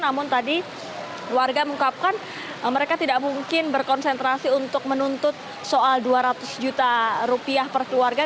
namun tadi warga mengungkapkan mereka tidak mungkin berkonsentrasi untuk menuntut soal dua ratus juta rupiah per keluarga